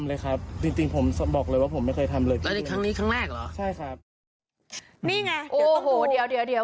ใช่ค่ะใช้โทรศัพท์มือถือถ่าย